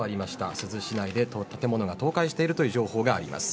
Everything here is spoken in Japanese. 珠洲市内で建物が倒壊しているという情報があります。